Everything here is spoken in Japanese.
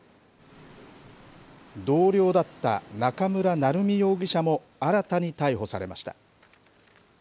同僚だった中村成美容疑者も新たに逮捕されました。